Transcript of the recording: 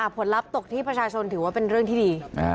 ผลลัพธ์ตกที่ประชาชนถือว่าเป็นเรื่องที่ดี